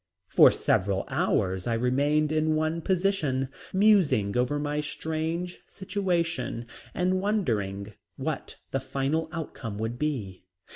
For several hours I remained in one position, musing over my strange situation and wondering what the final outcome would be.